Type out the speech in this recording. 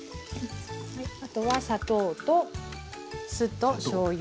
あとは砂糖と酢としょうゆ。